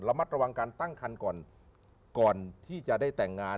มัดระวังการตั้งคันก่อนก่อนที่จะได้แต่งงาน